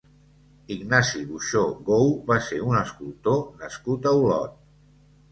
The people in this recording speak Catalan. Ignasi Buxó Gou va ser un escultor nascut a Olot.